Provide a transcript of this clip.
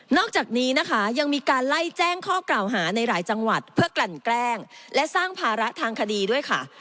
อกจากนี้นะคะยังมีการไล่แจ้งข้อกล่าวหาในหลายจังหวัดเพื่อกลั่นแกล้งและสร้างภาระทางคดีด้วยค่ะ